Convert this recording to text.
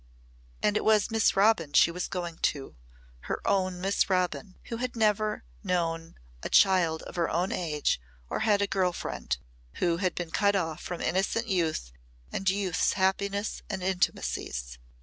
And it was Miss Robin she was going to her own Miss Robin who had never known a child of her own age or had a girl friend who had been cut off from innocent youth and youth's happiness and intimacies.